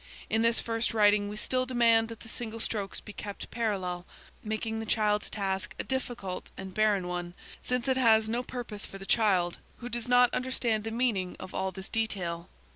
In this first writing we still demand that the single strokes be kept parallel, making the child's task a difficult and barren one, since it has no purpose for the child, who does not understand the meaning of all this detail.